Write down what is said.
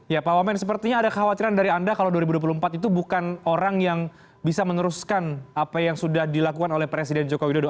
ya pak wamen sepertinya ada khawatiran dari anda kalau dua ribu dua puluh empat itu bukan orang yang bisa meneruskan apa yang sudah dilakukan oleh presiden joko widodo